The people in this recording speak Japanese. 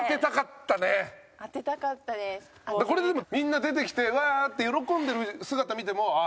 これでもみんな出てきてうわー！って喜んでる姿見てもああ